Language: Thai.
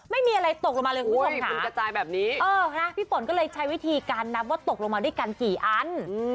ไม่มีอะไรตกลงมาเลยคุณผู้ชมค่ะพี่ป่นก็เลยใช้วิธีการนับว่าตกลงมาได้กันกี่อัน